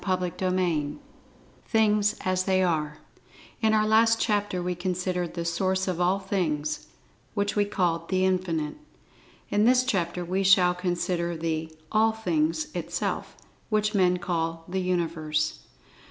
[Pg 20] CHAPTER II THINGS AS THEY ARE IN our last chapter we considered the Source of All Things, which we called The Infinite. In this chapter we shall consider the All Things itself, which men call The Universe.